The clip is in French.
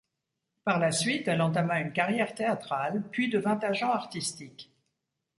Par la suite, elle entama une carrière théâtrale, puis devint agent artistique.